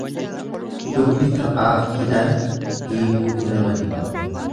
Dubbi taphaaf hidhan hiikuutu nama dhiba.